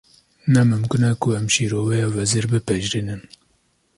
Ne mimkûn e ku em şîroveya wezîr bipejirînin